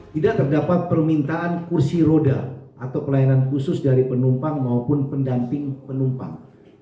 tidak terdapat permintaan kursi roda atau pelayanan khusus dari penumpang maupun pendamping penumpang